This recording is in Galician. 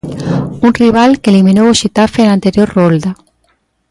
Un rival que eliminou o Xetafe na anterior rolda.